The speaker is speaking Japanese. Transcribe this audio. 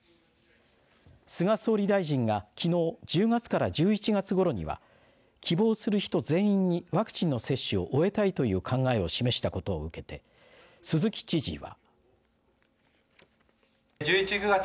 菅総理大臣がきのう１０月から１１月ごろには希望する人、全員にワクチンの接種を終えたいという考えを示したことを受けて鈴木知事は。